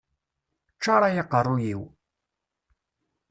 Ččaṛ ay aqeṛṛuy-iw!